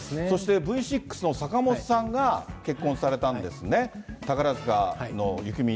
そしてＶ６の坂本さんが結婚されたんですね。